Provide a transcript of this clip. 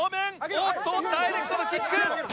おっとダイレクトでキック！